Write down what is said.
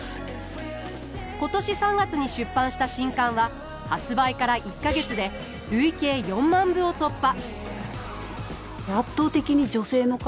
今年３月に出版した新刊は発売から１か月で累計４万部を突破。